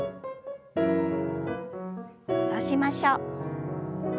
戻しましょう。